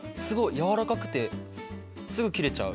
やわらかくてすぐ切れちゃう。